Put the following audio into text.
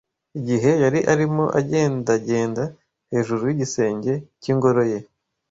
igihe yari arimo agendagenda hejuru y’igisenge cy’ingoro ye